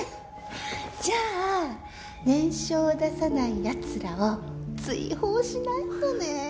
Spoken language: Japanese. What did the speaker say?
じゃあ念書を出さない奴らを追放しないとね。